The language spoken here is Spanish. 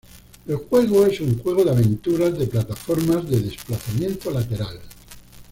El juego es un juego de aventura de plataformas de desplazamiento lateral.